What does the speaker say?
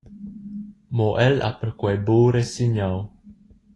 Mo el ha perquei buca resignau.